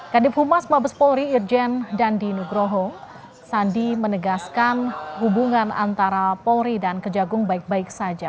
kadif humas mabes polri irjen dandi nugroho sandi menegaskan hubungan antara polri dan kejagung baik baik saja